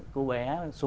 cô bé số một